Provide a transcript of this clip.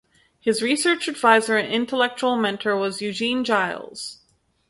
His research advisor and intellectual mentor was Eugene Giles.